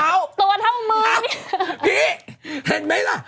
ฮห๊ะพี่เห็นไหมละ